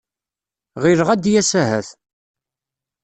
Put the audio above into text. Ɣileɣ ad d-yas ahat.